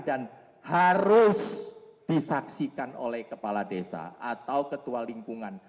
dan harus disaksikan oleh kepala desa atau ketua lingkungan